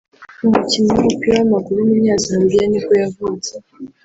umukinnyi w’umupira w’amaguru w’umunyazambiya nibwo yavutse